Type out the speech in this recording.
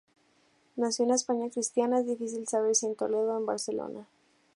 Nació en la España cristiana, es difícil saber si en Toledo o en Barcelona.